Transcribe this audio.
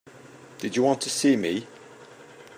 Did you want to see me?